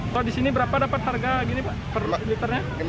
kalau di sini berapa dapat harga per liternya